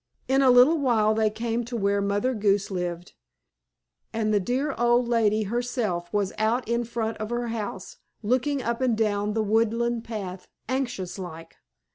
In a little while they came to where Mother Goose lived, and the dear old lady herself was out in front of her house, looking up and down the woodland path, anxious like.